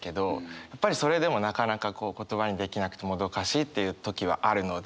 やっぱりそれでもなかなか言葉にできなくてもどかしいっていう時はあるので。